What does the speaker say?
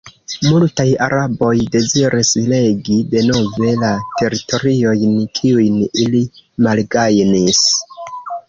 Multaj araboj deziris regi denove la teritoriojn, kiujn ili malgajnis.